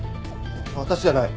私じゃない！